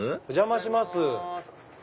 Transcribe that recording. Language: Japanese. お邪魔します。